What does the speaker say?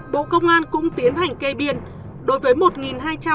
bộ công an cũng tiến hành kê biên đối với